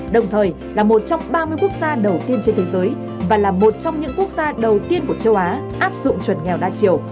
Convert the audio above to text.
đồng thời là một trong ba mươi quốc gia đầu tiên trên thế giới và là một trong những quốc gia đầu tiên của châu á áp dụng chuẩn nghèo đa chiều